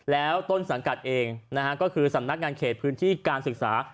แล้วต้นสังกัดเองนะฮะก็คือสำนักงานเขตพื้นที่การศึกษา